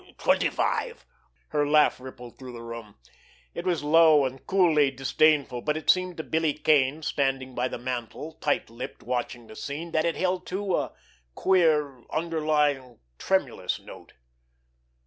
"Twenty five." Her laugh rippled through the room. It was low and coolly disdainful, but it seemed to Billy Kane, standing by the mantel, tight lipped, watching the scene, that it held, too, a queer, underlying, tremulous note.